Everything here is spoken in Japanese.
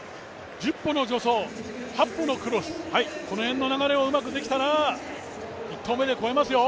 １０歩の助走、８歩のクロス、この辺の流れをうまくできたら１投目で越えますよ。